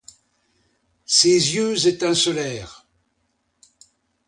Ses yeux étincelèrent.